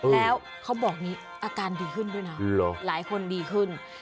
แล้วเขาบอกอย่างนี้อาการดีขึ้นด้วยนะหลายคนดีขึ้น